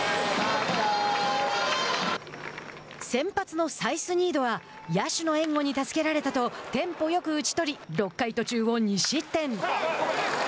先発のサイスニードは野手の援護に助けられたとテンポよく打ちとり６回途中を２失点。